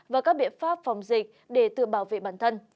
và các biện pháp phòng dịch để tự bảo vệ bản thân